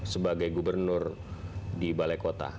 sebagai gubernur di balai kota